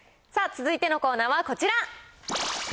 続いてのコーナーはこちら。